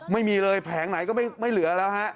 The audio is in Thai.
ไม่มีเลยแผงไหนก็ไม่เหลือแล้วฮะ